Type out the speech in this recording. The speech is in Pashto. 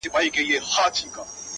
زوى ئې غوښت، خېر ئې نه غوښت.